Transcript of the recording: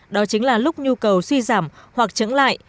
đó chính là lúc nhu cầu suy giảm hoặc trứng lại